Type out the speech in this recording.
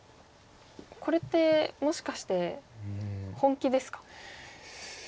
これってもしかして本気ですか？